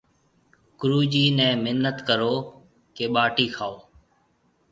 گُرو جِي نَي منٿ ڪرو ڪيَ ٻاٽِي کائون۔